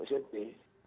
dari sana mereka ke